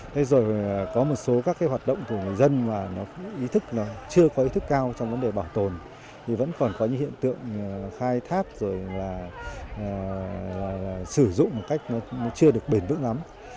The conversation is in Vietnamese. thế rồi có một số các cái hoạt động của người dân mà nó ý thức là chưa có ý thức cao trong vấn đề bảo tồn thì vẫn còn có những hiện tượng khai thác rồi là sử dụng một cách nó chưa được bền vững lắm